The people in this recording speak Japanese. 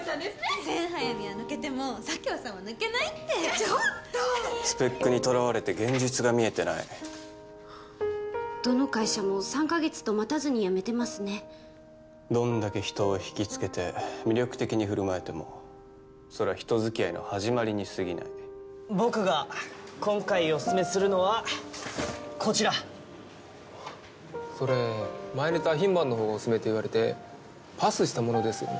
セン・ハヤミは抜けても佐京さんは抜けないってちょっとスペックにとらわれて現実が見えてないどの会社も３か月と待たずに辞めてますねどんだけ人をひきつけて魅力的に振る舞えてもそれは人づきあいの始まりにすぎない僕が今回オススメするのはこちらそれ前に他品番のほうがオススメって言われてパスしたものですよね